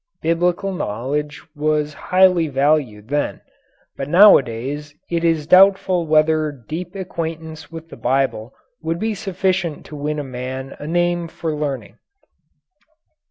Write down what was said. Biblical knowledge was highly valued then. But nowadays it is doubtful whether deep acquaintance with the Bible would be sufficient to win a man a name for learning.